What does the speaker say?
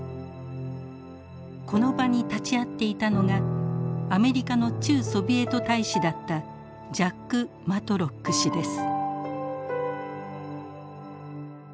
この場に立ち会っていたのがアメリカの駐ソビエト大使だったジャック・マトロック氏です。